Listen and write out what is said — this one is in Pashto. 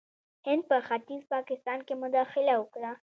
هند په ختیځ پاکستان کې مداخله وکړه.